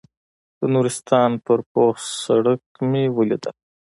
د نورستان په پوخ شوي سړک مې وليدل.